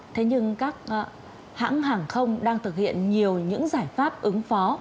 thế nhưng các hãng hàng không đang thực hiện nhiều những giải pháp ứng phó